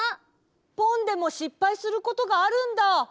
ポンでもしっぱいすることがあるんだ。